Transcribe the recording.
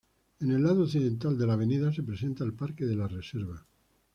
En el lado occidental de la avenida se presenta el Parque de la Reserva.